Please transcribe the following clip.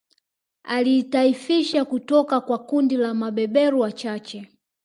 Aliitaifisha kutoka kwa kundi la mabeberu wachache